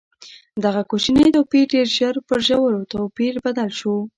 دغه کوچنی توپیر ډېر ژر پر ژور توپیر بدل شو.